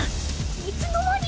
いつの間に？